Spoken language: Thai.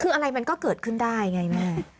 คืออะไรมันก็เกิดขึ้นได้ไงแม่